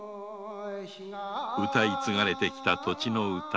歌い継がれて来た土地の歌。